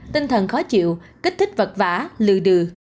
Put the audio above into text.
tinh thần khó chịu kích thích vật vả lừa đừ